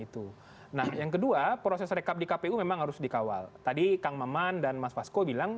itu nah yang kedua proses rekap di kpu memang harus dikawal tadi kang maman dan mas fasko bilang